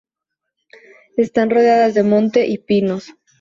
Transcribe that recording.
Están rodeadas de monte y pinos.